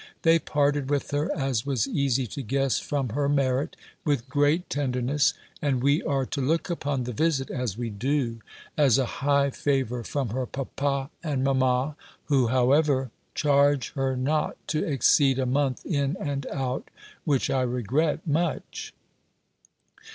They parted with her, as was easy to guess from her merit, with great tenderness; and we are to look upon the visit (as we do) as a high favour from her papa and mamma; who, however, charge her not to exceed a month in and out, which I regret much.